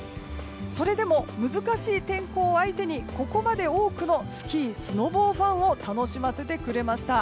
それでも難しい天候を相手にここまで多くのスキー、スノボーファンを楽しませてくれました。